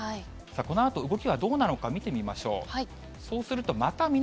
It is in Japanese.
このあと動きはどうなのか、見てみましょう。